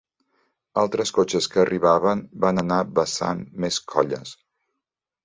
Altres cotxes que arribaven van anar vessant més colles